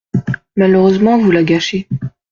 Malheureusement, vous la gâchez.